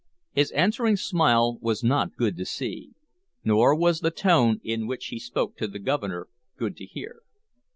His answering smile was not good to see, nor was the tone in which he spoke to the Governor good to hear.